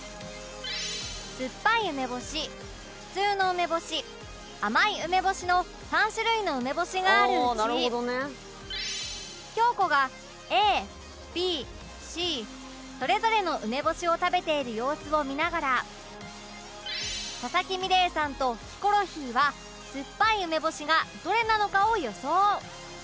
酸っぱい梅干し普通の梅干し甘い梅干しの３種類の梅干しがあるうち京子が ＡＢＣ それぞれの梅干しを食べている様子を見ながら佐々木美玲さんとヒコロヒーは酸っぱい梅干しがどれなのかを予想